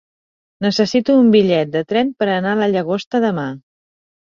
Necessito un bitllet de tren per anar a la Llagosta demà.